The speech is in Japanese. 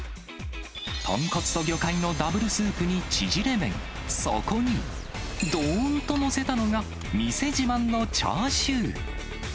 豚骨と魚介のダブルスープにちぢれ麺、そこに、どーんと載せたのが、店自慢のチャーシュー。